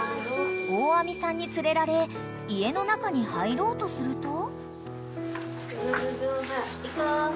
［大網さんに連れられ家の中に入ろうとすると］